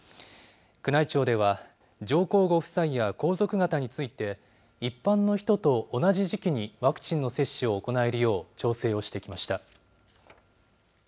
宮内庁では、上皇ご夫妻や皇族方について、一般の人と同じ時期にワクチンの接種を行えるよう調整をしてきました。